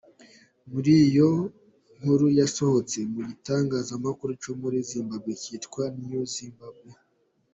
Muri iyo nkuru yasohotse mu gitangazamakuru cyo muri Zimbabwe kitwa "Newzimbabwe.